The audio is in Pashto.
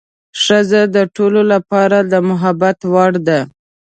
ښځه د ټولو لپاره د محبت وړ ده.